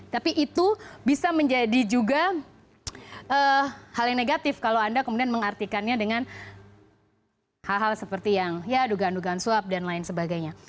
tapi itu bisa menjadi juga hal yang negatif kalau anda kemudian mengartikannya dengan hal hal seperti yang ya dugaan dugaan suap dan lain sebagainya